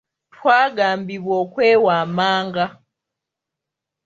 Twagambibwa okwewa amanga.